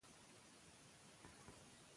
دا کار له هغه بل غوره دی.